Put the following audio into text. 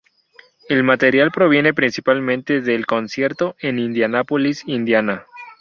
El material proviene principalmente del concierto en Indianápolis, Indiana.